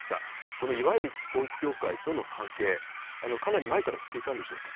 このいわゆる統一教会との関係、かなり前から知っていたんでしょうか？